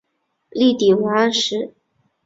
力抵王安石。